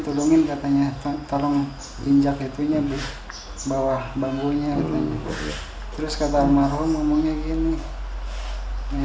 yaudah katanya was hati hati harus kena kabel baru juga ngomong kayak gitu